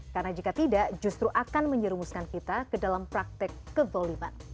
karena jika tidak justru akan menyerumuskan kita ke dalam praktek kevoliman